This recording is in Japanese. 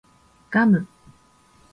ガム